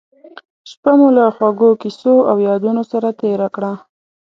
شپه مو له خوږو کیسو او یادونو سره تېره کړه.